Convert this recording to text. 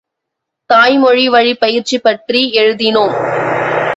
தாய்மொழி வழிப் பயிற்சி பற்றி எழுதினோம்.